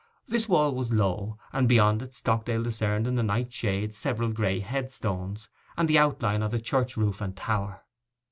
This wall was low, and beyond it Stockdale discerned in the night shades several grey headstones, and the outlines of the church roof and tower.